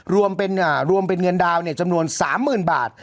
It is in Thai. รวมเป็นอ่ารวมเป็นเงินดาวเนี้ยจำนวนสามหมื่นบาท